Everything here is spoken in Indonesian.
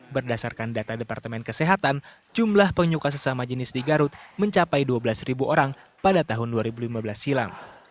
berdasarkan data departemen kesehatan jumlah penyuka sesama jenis di garut mencapai dua belas orang pada tahun dua ribu lima belas silam